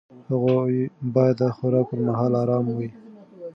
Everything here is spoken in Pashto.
هغوی باید د خوراک پر مهال ارام وي.